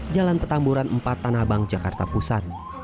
jalan petamburan empat tanah abang jakarta pusat